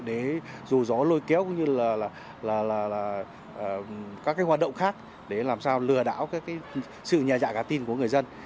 để dù gió lôi kéo cũng như là các hoạt động khác để làm sao lừa đảo sự nhà dạ gà tin của người dân